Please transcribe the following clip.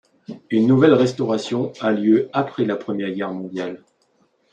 Une nouvelle restauration a lieu après la Première Guerre mondiale.